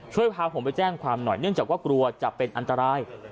พาผมไปแจ้งความหน่อยเนื่องจากว่ากลัวจะเป็นอันตราย